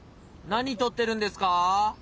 何とってるんですか？